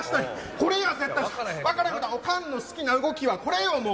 これは絶対、分からない、おかんの好きな動きはこれよ、もう。